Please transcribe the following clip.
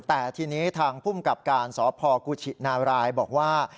แต่ทีนี้ทางภูมิกับการสพกุชินารายบอกว่า